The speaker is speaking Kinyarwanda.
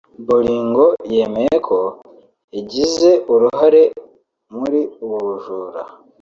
Bolingo yemeye ko yagize uruhare muri ubu bujura